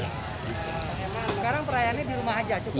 sekarang perayaannya di rumah aja cukup